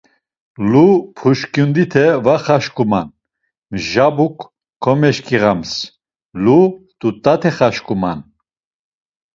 Lu puşǩundite var xaşǩuman, mjabuk komeşǩiğams, lu mt̆ut̆ate xaşǩuman.